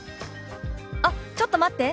「あっちょっと待って。